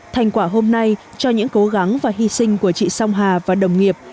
thành quả hôm nay cho những cố gắng và hy sinh của chị song hà và đồng nghiệp